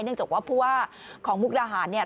เนื่องจากว่าเพราะว่าของมุกดาหารเนี่ย